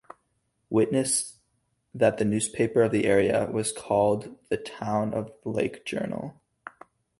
Witness that the newspaper of the area was called the "Town of Lake Journal".